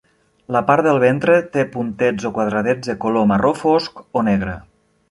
La part del ventre té puntets o quadradets de color marró fosc o negre.